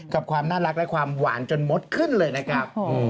กับความน่ารักและความหวานจนมดขึ้นเลยนะครับ